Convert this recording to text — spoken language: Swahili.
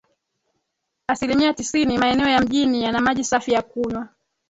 Asilimia tisini maeneo ya mjini yana maji safi ya kunywa